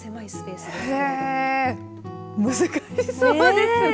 難しそうですね。